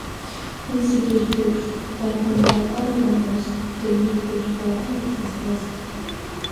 Уи зегьы ирԥеиԥшуп, дарбан баагәарак анаҩс, даннықәла, шә-баагәарак зызгаз!